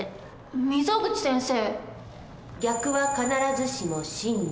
溝口先生。